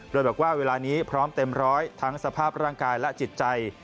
โดยบอกว่าเวลานี้พร้อมเต็มร้อยทั้งสภาพร่างกายและจิตใจ